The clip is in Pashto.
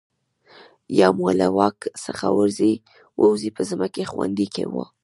یا مو له واک څخه ووځي په ځمکه کې خوندي کوو.